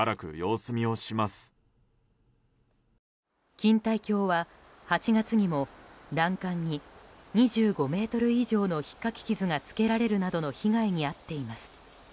錦帯橋は８月にも欄干に２５ｍ以上のひっかき傷がつけられるなどの被害に遭っています。